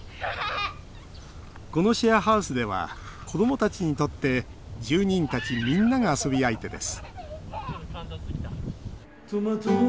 このシェアハウスでは子どもたちにとって住人たちみんなが遊び相手です